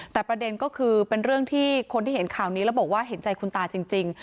แต่ประเด็นก็คือเป็นเรื่องที่คนที่เห็นข่าวนี้แล้วบอกว่าเห็นใจคุณตาจริง